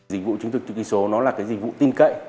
dịch vụ chứng thực chữ ký số nó là cái dịch vụ tin cậy